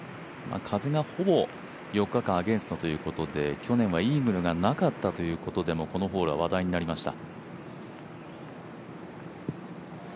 風がほぼ４日間アゲンストということで去年はイーグルがなかったということでもこのホールは話題になりました。